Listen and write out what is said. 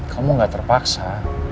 kamu gak terpaksa